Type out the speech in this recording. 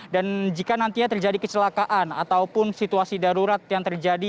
dan jika nantinya terjadi kecelakaan ataupun situasi darurat yang terjadi